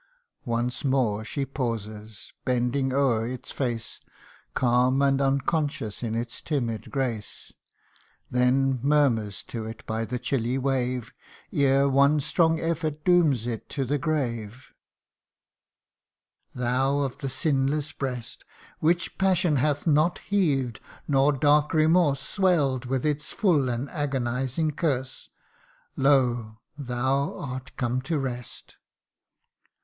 Once more she pauses ; bending o'er its face, Calm and unconscious in its timid grace ; Then murmurs to it by the chilly wave, Ere one strong effort dooms it to the grave :' Thou of the sinless breast ! Which passion hath not heaved, nor dark remorse SwelPd with its full and agonizing curse Lo ! thou art come to rest